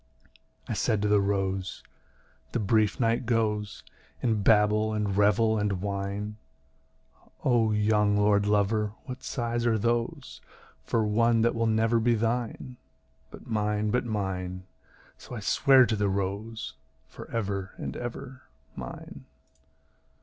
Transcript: I said to the rose, "The brief night goes In babble and revel and wine. O young lordlover, what sighs are those For one that will never be thine? But mine, but mine," so I sware to the rose, "For ever and ever, mine."